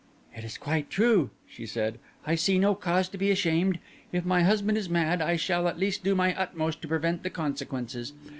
"It is quite true," she said. "I see no cause to be ashamed. If my husband is mad I shall at least do my utmost to prevent the consequences.